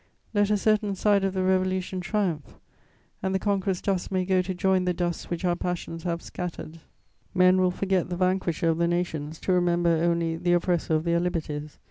Let a certain side of the Revolution triumph, and the conqueror's dust may go to join the dusts which our passions have scattered: men will forget the vanquisher of the nations to remember only the oppressor of their liberties.